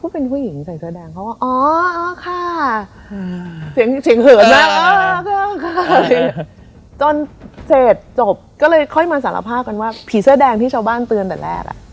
พร้อมเถอะ